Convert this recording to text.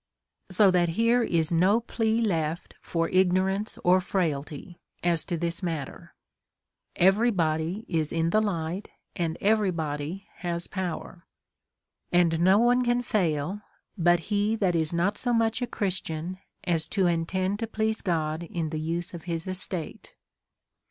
So that here is no plea left for ignorance or frailty, as to this matter ; every body is in the light, and every body has power. And no one can fail, but he that is not so much a Christian as to intend to please God in the use of his estate.